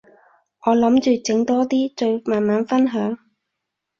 我諗住整多啲，再慢慢分享